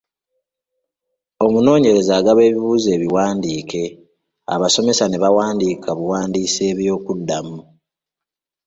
"Omunoonyereza agaba ebibuuzo ebiwandiike, abasomesa ne bawandiika buwandiisi eby’okuddamu."